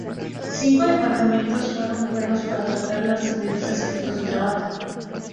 Cinco departamentos fueron creados para tratar los diferentes aspectos de trabajo.